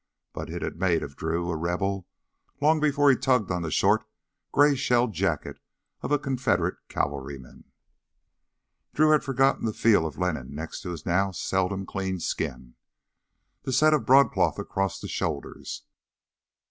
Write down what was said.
But it had made of Drew a rebel long before he tugged on the short gray shell jacket of a Confederate cavalryman. Drew had forgotten the feel of linen next to his now seldom clean skin, the set of broadcloth across the shoulders.